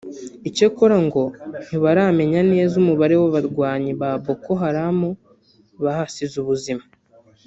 icyakora ngo ntibaramenya neza umubare w’abarwanyi ba Boko Haram bahasize ubuzima